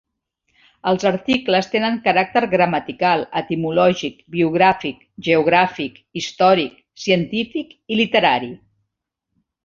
Els articles tenen caràcter gramatical, etimològic, biogràfic, geogràfic, històric, científic i literari.